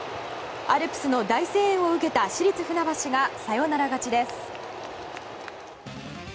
アルプスの大声援を受けた市立船橋がサヨナラ勝ちです。